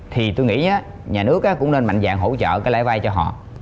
thì tôi nghĩ nhà nước cũng nên mạnh dạng hỗ trợ cái loại vai cho họ